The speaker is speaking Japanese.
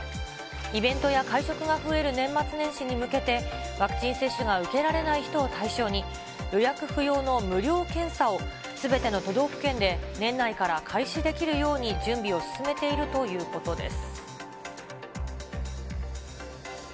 イベントや会食が増える年末年始に向けて、ワクチン接種が受けられない人を対象に、予約不要の無料検査をすべての都道府県で年内から開始できるように準備を進めているということです。